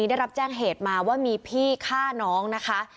ได้รับแจ้งเหตุมาว่ามีพี่ฆ่าน้องนะคะ